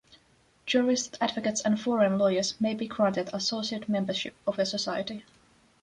Jurists, advocates and foreign lawyers may be granted associate membership of the Society.